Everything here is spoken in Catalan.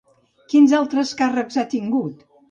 Quins altres càrrecs ha tingut?